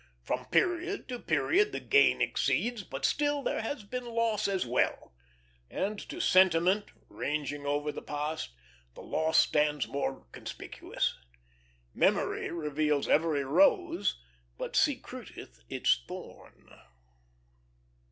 From period to period the gain exceeds, but still there has been loss as well; and to sentiment, ranging over the past, the loss stands more conspicuous. "Memory reveals every rose, but secreteth its thorn."